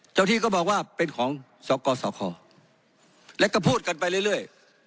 เจ้าที่ก็บอกว่าเป็นของสอกอสอคอแล้วก็พูดกันไปเรื่อยเรื่อย